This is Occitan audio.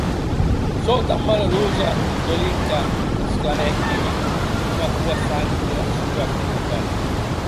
Sò tan malerosa, Dollynka!, exclamèc Kitty, coma cohessant era sua colpa.